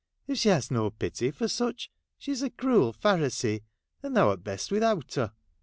If she has no pity for such, she 's a cruel Pharisee, and thou 'rt best without her.'